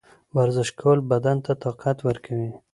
ورزش کول بدن ته طاقت ورکوي.